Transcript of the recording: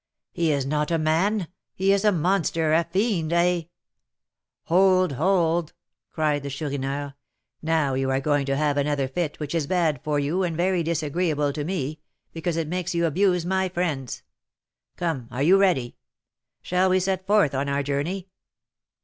"He is not a man; he is a monster, a fiend, a " "Hold, hold!" cried the Chourineur. "Now you are going to have another fit, which is bad for you and very disagreeable to me, because it makes you abuse my friends. Come, are you ready? Shall we set forth on our journey?"